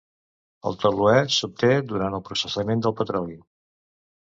El toluè s'obté durant el processament del petroli.